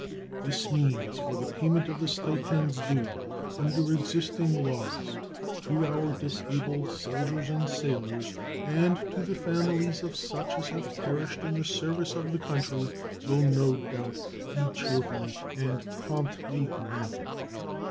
The means for the payment of the stipends due under existing laws to our disabled soldiers and sailors and to the families of such as have perished in the service of the country will no doubt be cheerfully and promptly granted.